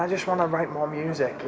dan saya hanya ingin menulis musik lagi